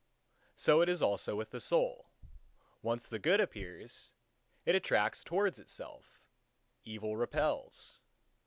So is it also with the Soul. Once the Good appears, it attracts towards itself; evil repels.